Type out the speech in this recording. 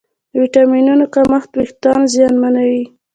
د ویټامینونو کمښت وېښتيان زیانمنوي.